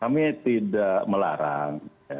kami tidak melarang